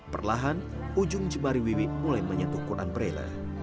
perlahan ujung jemari wiwi mulai menyentuh kunan bereleh